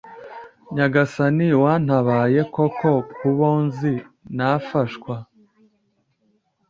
Nyagasani wantabaye koko kubonz nafashwe